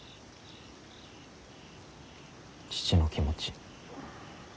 父の気持ち